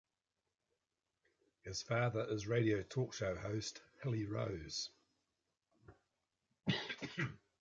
His father is radio talk show host Hilly Rose.